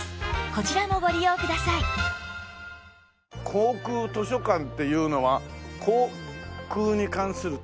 航空図書館というのは航空に関する。